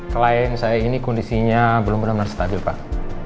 klien saya ini kondisinya belum benar benar stabil pak